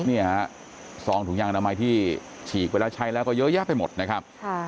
นี่ฮะซองถุงยางน้ำไม้ที่ฉีกเวลาใช้แล้วก็เยอะแยะไปหมดนะครับ